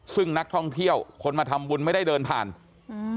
ซึ่งนักท่องเที่ยวคนมาทำบุญไม่ได้เดินผ่านอืม